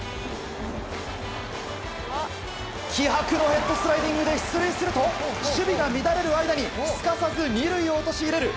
気迫のヘッドスライディングで出塁すると守備が乱れる間にすかさず２塁を陥れる。